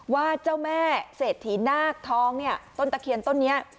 ว่าเจ้าแม่เศรษฐีนาคทองเนี่ยต้นตะเคียนต้นนี้